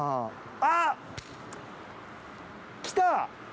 あっきた！